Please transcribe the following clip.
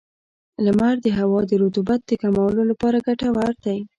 • لمر د هوا د رطوبت د کمولو لپاره ګټور دی.